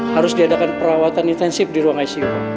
harus diadakan perawatan intensif di ruang icu